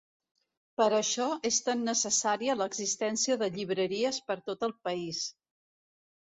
Per això és tan necessària l'existència de llibreries per tot el país.